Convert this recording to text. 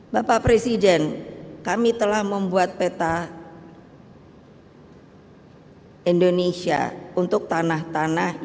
bapak presiden kami telah membuat peta